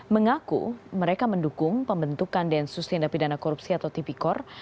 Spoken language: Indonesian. mengaku mereka mendukung pembentukan densus tindak pidana korupsi atau tipikor